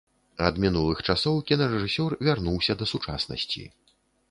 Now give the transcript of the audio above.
Ад мінулых часоў кінарэжысёр вярнуўся да сучаснасці.